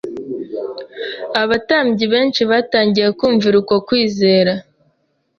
abatambyi benshi batangiye kumvira uko kwizera